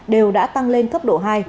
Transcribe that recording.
đều đã tăng lên cấp độ hai